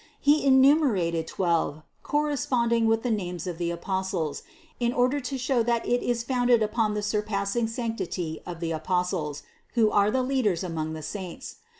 He enumerated twelve, cor responding with the names of the Apostles, in order to show that it is founded upon the surpassing sanctity of the Apostles, who are the leaders among the saints.